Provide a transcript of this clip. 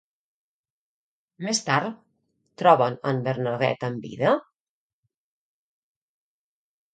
Més tard, troben a en Bernadet en vida?